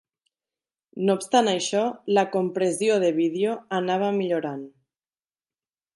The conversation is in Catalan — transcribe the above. No obstant això, la compressió de vídeo anava millorant.